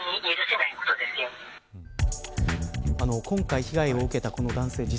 今回被害を受けたこの男性